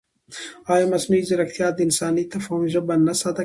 ایا مصنوعي ځیرکتیا د انساني تفاهم ژبه نه ساده کوي؟